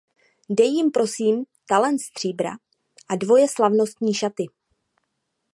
Dej jim prosím talent stříbra a dvoje slavnostní šaty.